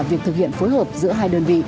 việc thực hiện phối hợp giữa hai đơn vị